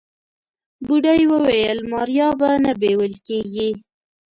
بوډۍ وويل ماريا به نه بيول کيږي.